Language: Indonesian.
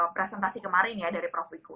presentasi kemarin ya dari prof wiku